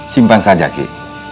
simpan saja ki